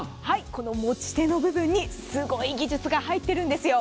この持ち手の部分にすごい技術が入ってるんですよ。